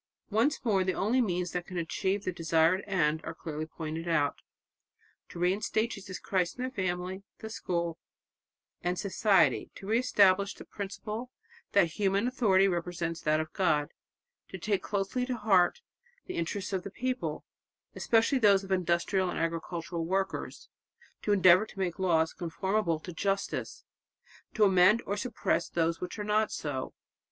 Once more the only means that can achieve the desired end are clearly pointed out: "To reinstate Jesus Christ in the family, the school and society; to re establish the principle that human authority represents that of God; to take closely to heart the interests of the people, especially those of industrial and agricultural workers, to endeavour to make laws conformable to justice, to amend or suppress those which are not so